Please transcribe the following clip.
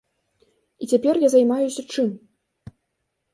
І цяпер я займаюся чым?